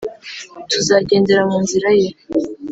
Tuzagendera mu nzira ye .